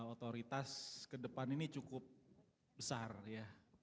otoritas kedepan ini cukup besar ya